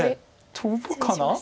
トブかな。